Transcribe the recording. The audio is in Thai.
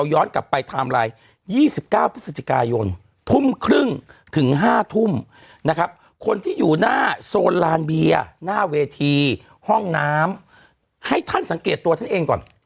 หน้าเวทีห้องน้ำให้ท่านสังเกตตัวท่านเองก่อน